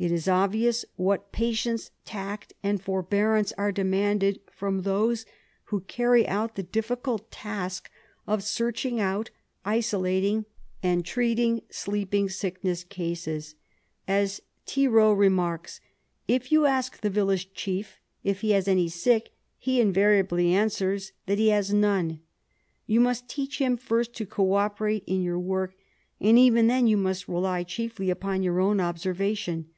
It is obvious what patience, tact and forbearance are demanded from those who carry out the difficult task of searching out, isolating and treating sleeping sickness cases. As Thiroux remarks, "If you ask the village chief if he has any sick, he in variably answers that he has none." You must teach him first to co operate in your work, and even then you must rely chiefly upon your own observation.